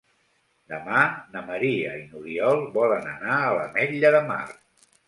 Demà na Maria i n'Oriol volen anar a l'Ametlla de Mar.